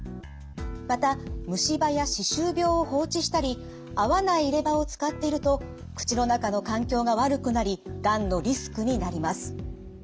また虫歯や歯周病を放置したり合わない入れ歯を使っていると口の中の環境が悪くなりがんのリスクになります。